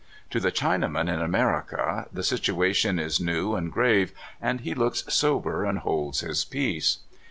To the Chinaman in America the situation is new and grave, and he looks sober and holds his peace.